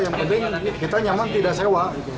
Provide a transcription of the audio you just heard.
yang penting kita nyaman tidak sewa